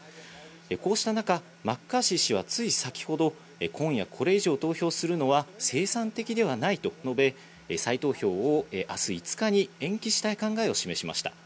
こうした中、マッカーシー氏はつい先程、今夜これ以上投票するのは生産的ではないと述べ、再投票を明日５日に延期したい考えを示しました。